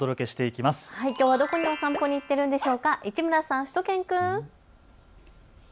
きょうはどこにお散歩に行っているんでしょうか、市村さん、しゅと犬くん。